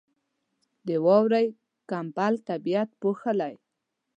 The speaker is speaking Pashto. • د واورې کمبل طبیعت پوښي.